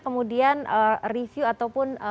kemudian review ataupun